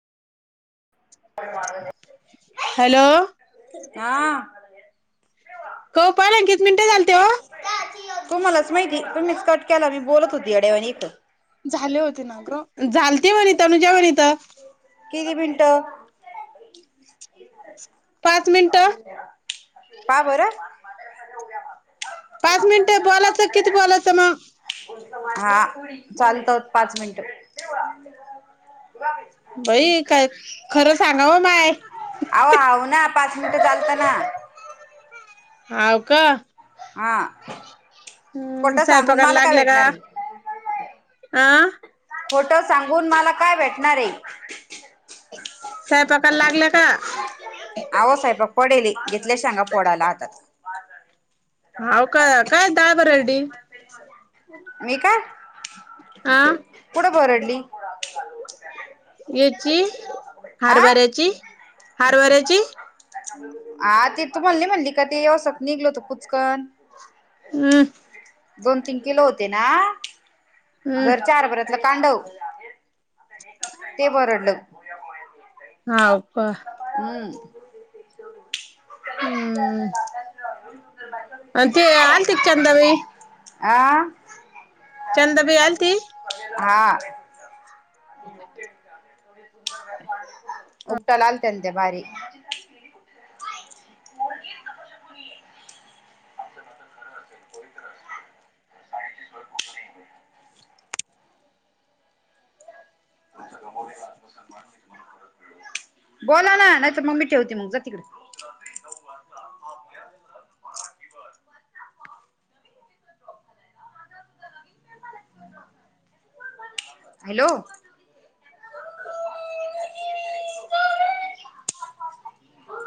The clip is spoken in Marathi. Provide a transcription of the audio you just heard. हॅलो हा. हो काल एकवीस मिनट झालते ओ. तूमालाच माहिती तुम्हीच कट केला, मी बोलत होती येड्यावाणी इथं. झाले होते ना ग झालते म्हणे इथ, तनुजा पण आहे इथं. किती मिनटं? पाच मिनिटं. का बरं? पाच मिनिटं बोलायचं. किती बोलायचं मग? हां चालतात. पाच मिनिटं. बाई काय खरं सांगा ओ माय. अहो आव ना पाच मिनिटं चालतं ना. होव का. हा हम्म खोटं सांगून स्वयंपाकाला मला काय लागले का? भेटणार आहे आं? खोटं सांगून मला काय भेटणार आहे. स्वयंपाकाला लागले का? पडेली घेतले शेंगा फोडायला हातात. होव का? काय डाळ भरडली. नाही का. हां. कुठं भरडली? याची आ हरभऱ्याची हरभऱ्याची. आ तीथ तू बोली म्हणली का ते येवसात निघल ते कुचकन. ह. दोन तीन किलो होते ना? हम्म दर चार घरत. अ तांडव ते भरडले. हाव का. हम्म. हम्म. [unintelligible] आणि ती आलती का चंदाबाई? आं? चंदाबाई आलती? हां. हम्मं पाठूंण द्या उचक्यां लागत्यांन त्यां लंय भारी. [inaudible] [unintelligible] बोलां नां? नाहीं तरं मगं मी ठेवते मगं जां तिकडं. हॅलो?